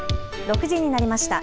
６時になりました。